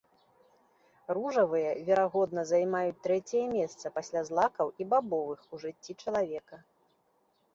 Ружавыя, верагодна, займаюць трэцяе месца, пасля злакаў і бабовых, у жыцці чалавека.